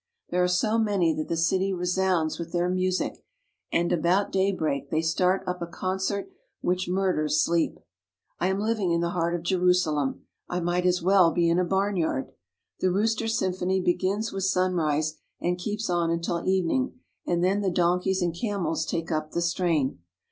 There are so many that the city resounds with their music, and about daybreak they start up a concert which mur ders sleep. I am living in the heart of Jerusalem — I might as well be in a barnyard. The rooster symphony begins with sunrise and keeps on until evening, and then the donkeys and camels take up the strain.